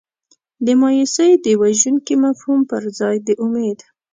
د مایوسۍ د وژونکي مفهوم پر ځای د امید.